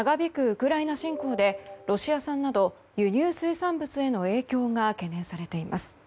ウクライナ侵攻でロシア産など輸入水産物への影響が懸念されています。